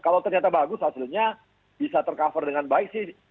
kalau ternyata bagus hasilnya bisa tercover dengan baik sih